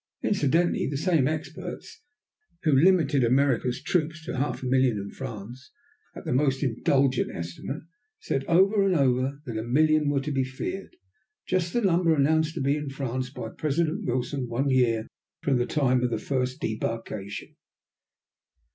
Incidentally, the same experts who limited America's troops to half a million in France at the most indulgent estimate, said, over and over, that a million were to be feared, just the number announced to be in France by President Wilson one year from the time of the first debarkation.